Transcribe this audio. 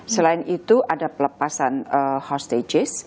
selain itu ada pelepasan hostage